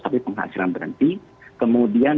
tapi penghasilan berhenti kemudian